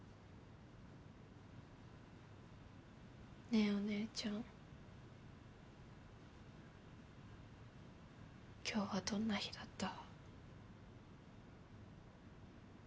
ねえお姉ちゃん今日はどんな日だった？